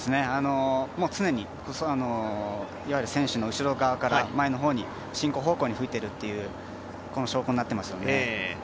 常にいわゆる選手の後ろ側から前の方に進行方向に吹いているという証拠になってます。